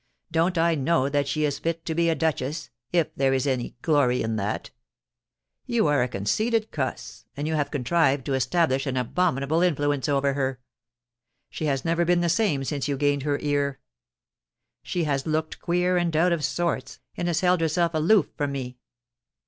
Don't I know that she is fit to be a duchess, if there is any glory in that ? You are a conceited cuss, and you have contrived to establish an abominable influence over her. She has never been the same since you gained her ear. She has looked queer and out of sorts, and has held herself aloof from me.